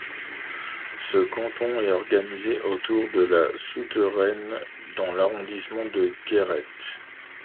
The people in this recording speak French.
Ce canton est organisé autour de La Souterraine dans l'arrondissement de Guéret.